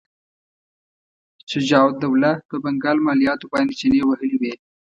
شجاع الدوله په بنګال مالیاتو باندې چنې وهلې وې.